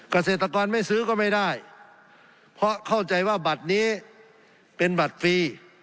เกษตรกรไม่ซื้อก็ไม่ได้เพราะเข้าใจว่าบัตรนี้เป็นบัตรฟรี